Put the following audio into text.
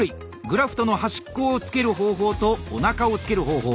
グラフトの端っこをつける方法とおなかをつける方法。